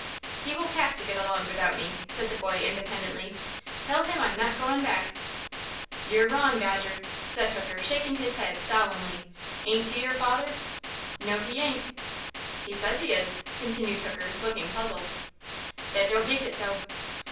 "He will have to get along without me," said the boy, independently. "Tell him I'm not goin' back!" "You're wrong, Dodger," said Hooker, shaking his head, solemnly. "Ain't he your father?" "No, he ain't." "He says he is," continued Hooker, looking puzzled. "That don't make it so."